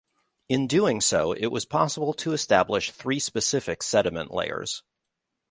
In doing so it was possible to establish three specific sediment layers.